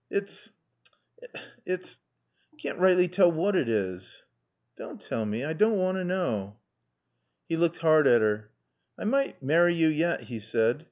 It's it's I caan't rightly tall whot it is." "Dawn' tall mae. I dawn' want t' knaw." He looked hard at her. "I might marry yo' yat," he said.